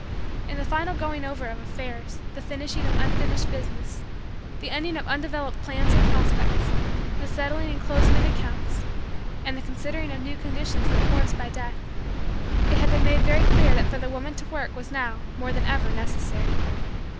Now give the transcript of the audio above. In the final going over of affairs, the finishing of unfinished business, the ending of undeveloped plans and prospects, the settling and closing of accounts, and the considering of new conditions enforced by Death, it had been made very clear that for the woman to work was, now, more than ever necessary.